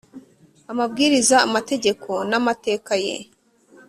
amabwiriza amategeko n amateka ye